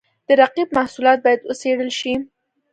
د رقیب محصولات باید وڅېړل شي.